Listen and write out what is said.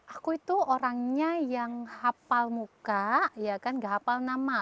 aku itu orangnya yang hafal muka ya kan gak hafal nama